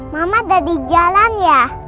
mama udah di jalan ya